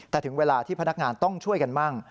แต่ถึงเวลาที่พนักงานต้องช่วยกันมั่ง